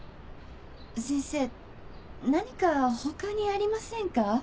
先生何か他にありませんか？